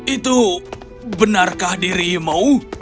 itu benarkah dirimu